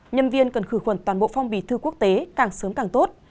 nhân viên cần khử khuẩn toàn bộ phong bì thư quốc tế càng sớm càng tốt